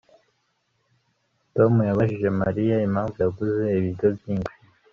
Tom yabajije Mariya impamvu yaguze ibiryo byinshi